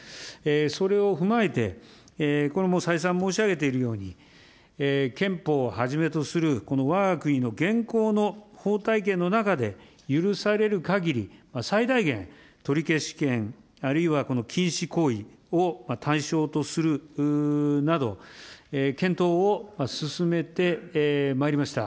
それを踏まえて、これも再三申し上げているように、憲法をはじめとするこのわが国の現行の法体系の中で許されるかぎり、最大限、取消権、あるいは禁止行為を対象とするなど、検討を進めてまいりました。